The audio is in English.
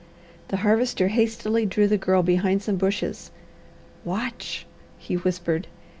The Harvester hastily drew the Girl behind some bushes. "Watch!" he whispered.